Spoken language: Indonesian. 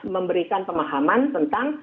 memberikan pemahaman tentang